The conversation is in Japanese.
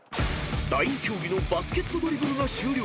［第２競技のバスケットドリブルが終了］